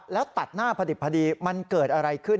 แล้วตัดหน้าพอดิบพอดีมันเกิดอะไรขึ้น